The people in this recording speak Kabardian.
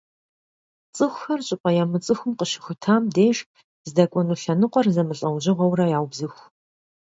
ЦӀыхухэр щӀыпӀэ ямыцӀыхум къыщыщыхутам деж здэкӀуэну лъэныкъуэр зэмылӀэужьыгъуэурэ яубзыху.